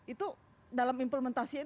itu dalam implementasi itu